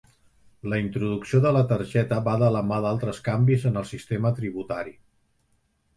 La introducció de la targeta va de la mà d'altres canvis en el sistema tributari.